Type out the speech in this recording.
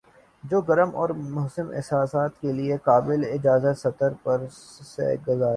جو گرم اور مبہم احساسات کے لیے قابلِاجازت سطر پر سے گزرا